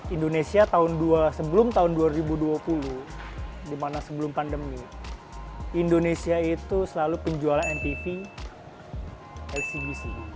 indonesia sebelum tahun dua ribu dua puluh dimana sebelum pandemi indonesia itu selalu penjualan mpv lcgc